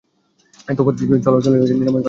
এর অবাধ চলাচলই নিরাময় করে।